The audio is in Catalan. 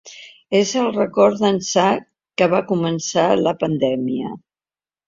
És el rècord d’ençà que va començar la pandèmia.